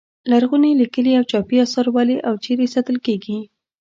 لرغوني لیکلي او چاپي اثار ولې او چیرې ساتل کیږي.